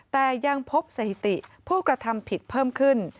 แต่ยังพบสถิติผู้กระทำผิดเพิ่มขึ้น